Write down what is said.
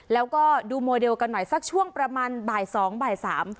แล้วก็ดูโมเดลกันหน่อยสักช่วงประมาณบ่ายสองบ่ายสาม